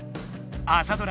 朝ドラ